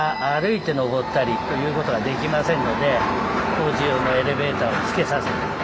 工事用のエレベーターをつけさせて。